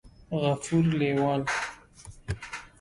غفور لېوال